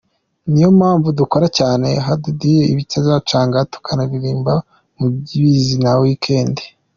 Ni yo mpamvu dukora cyane haduyi bikazicanga tukanaririmba mu mibyizi na weekend.